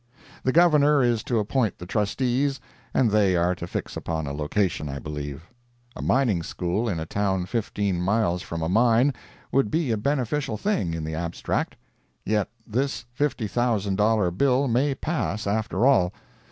The Governor is to appoint the trustees, and they are to fix upon a location, I believe. A mining school in a town fifteen miles from a mine, would be a beneficial thing, in the abstract. Yet this $50,000 bill may pass, after all.